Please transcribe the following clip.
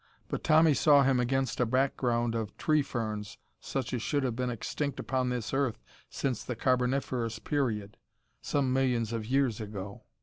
But Tommy saw him against a background of tree ferns such as should have been extinct upon this earth since the Carboniferous Period, some millions of years ago.